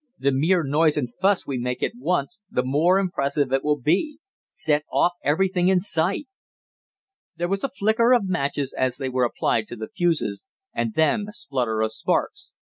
The more noise and fuss we make at once, the more impressive it will be. Set off everything in sight!" There was a flicker of matches as they were applied to the fuses, and then a splutter of sparks.